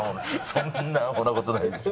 そんなアホな事ないでしょ。